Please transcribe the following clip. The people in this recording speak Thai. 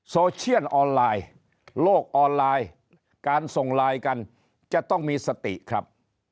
โซเชียนออนไลน์โลกออนไลน์การส่งไลน์กันจะต้องมีสติครับ